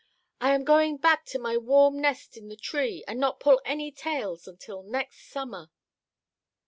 I am going back to my warm nest in the tree and not pull any tails until next summer!"